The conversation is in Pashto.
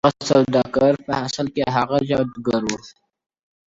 په سلايي باندي د تورو رنجو رنگ را واخلي,